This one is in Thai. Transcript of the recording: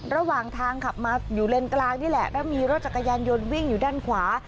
ระหว่างทางขับมาอยู่เลนกลางนี่แหละแล้วมีรถจักรยานยนต์วิ่งอยู่ด้านขวา